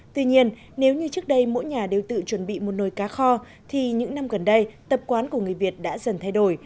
tuy nhiên nếu như trước đây mỗi nhà đều tự chuẩn bị một nồi cá kho thì những năm gần đây tập quán của người việt đã dần thay đổi